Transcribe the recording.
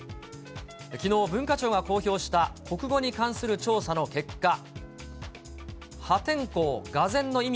きのう、文化庁が公表した国語に関する調査の結果、破天荒、がぜんの意味